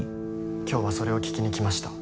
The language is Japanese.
今日はそれを聞きに来ました。